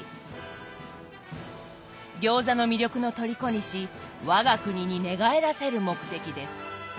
餃子の魅力の虜にし我が国に寝返らせる目的です。